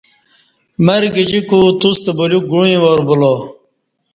مرگجیکو توستہ بلیوک گوعی وار بلا